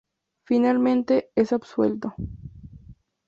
Finalmente es absuelto.